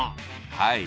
はい。